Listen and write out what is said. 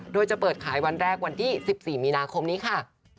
โดยจะเปิดขายวันแรกวันที่๑๔มีนาคมนี้ค่ะ